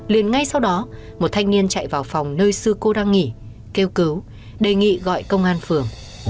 liền ngay sau đó một thanh niên chạy vào phòng nơi sư cô đang nghỉ kêu cứu đề nghị gọi công an phường